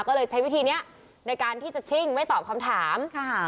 ก็เลยใช้วิธีนี้ในการที่จะชิ่งไม่ตอบคำถามค่ะ